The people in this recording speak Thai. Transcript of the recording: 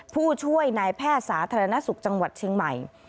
ผู้ช่วยนายแพทย์สาธารณสุขจังหวัดเชียงใหม่